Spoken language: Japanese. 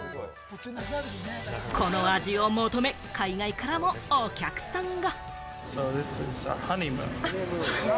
この味を求め、海外からもお客さんが。